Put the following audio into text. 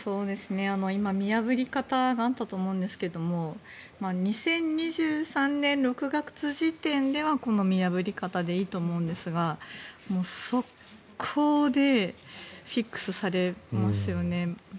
今、見破り方があったと思うんですが２０２３年６月時点ではこの見破り方でいいと思うんですが即行でフィックスされますよね。